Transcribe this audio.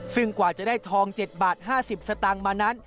ซึ่งกว่าจะได้ทอง๗บาท๕๐สตางค์มานั้น